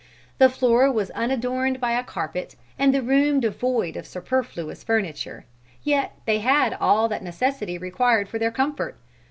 The floor was unadorned by a carpet and the room devoid of superfluous furniture; yet they had all that necessity required for their comfort.